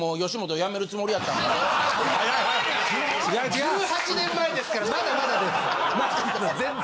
１８年前ですからまだまだですまだまだ全然。